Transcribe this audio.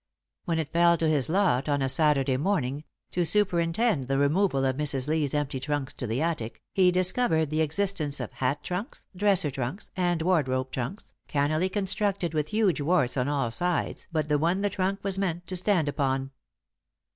When it fell to his lot, on a Saturday morning, to superintend the removal of Mrs. Lee's empty trunks to the attic, he discovered the existence of hat trunks, dresser trunks, and wardrobe trunks, cannily constructed with huge warts on all sides but the one the trunk was meant to stand upon.